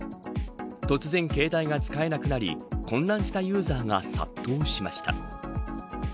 突然携帯が使えなくなり混乱したユーザーが殺到しました。